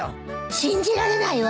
信じられないわ！